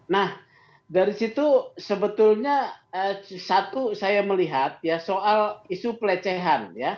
nah dari situ sebetulnya satu saya melihat ya soal isu pelecehan ya